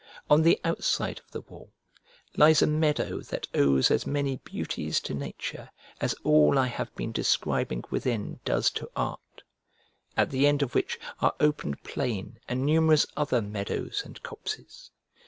On the outside of the wall lies a meadow that owes as many beauties to nature as all I have been describing within does to art; at the end of which are open plain and numerous other meadows and copses.